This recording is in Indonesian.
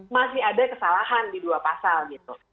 masih ada kesalahan di dua pasal gitu